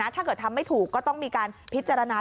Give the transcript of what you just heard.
ถ้าเกิดทำไม่ถูกก็ต้องมีการพิจารณา